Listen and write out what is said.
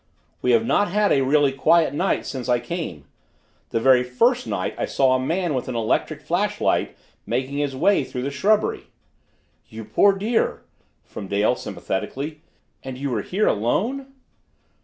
We have not had a really quiet night since I came. The very first night I saw a man with an electric flashlight making his way through the shrubbery!" "You poor dear!" from Dale sympathetically. "And you were here alone!"